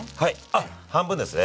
あっ半分ですね。